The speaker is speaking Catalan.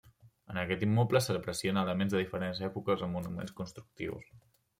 En aquest immoble s'aprecien elements de diferents èpoques o moments constructius.